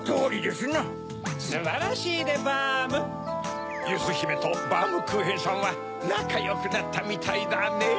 すばらしいでバーム！ゆずひめとバームクーヘンさんはなかよくなったみたいだねぇ！